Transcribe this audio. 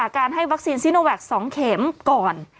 การให้วัคซีนซีโนแวค๒เข็มก่อน